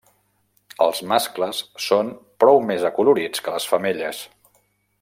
Els mascles són prou més acolorits que les femelles.